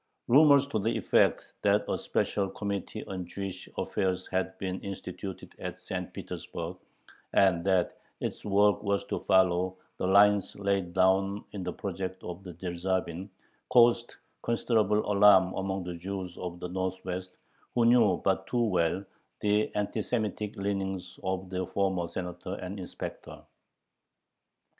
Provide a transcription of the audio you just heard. Rumors to the effect that a special Committee on Jewish affairs had been instituted at St. Petersburg, and that its work was to follow the lines laid down in the project of Dyerzhavin, caused considerable alarm among the Jews of the Northwest, who knew but too well the anti Semitic leanings of the former Senator and inspector.